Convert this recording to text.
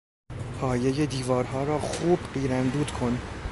پایهی دیوارها را خوب قیر اندود کن.